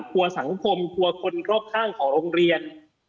กลัวสังคมกลัวคนรอบข้างของโรงเรียน